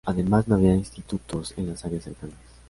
Además, no había institutos en las áreas cercanas.